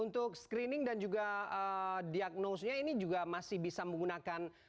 untuk screening dan juga diagnosenya ini juga masih bisa menggunakan